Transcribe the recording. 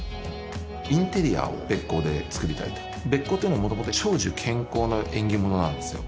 インテリアをべっ甲で作りたいとべっ甲っていうのはもともと長寿健康の縁起物なんですよ